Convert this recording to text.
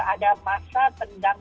ada masa pendang